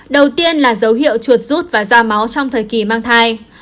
đầu tiên là dấu hiệu chuột rút và ra máu trong thời kỳ mang thai